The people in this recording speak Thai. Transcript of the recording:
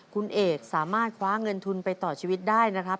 คุณเอกสามารถคว้าเงินทุนไปต่อชีวิตได้นะครับ